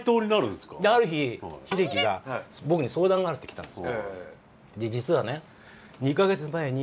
である日秀樹が僕に相談があるって来たんです。